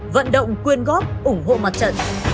vận động quyên góp ủng hộ mặt trận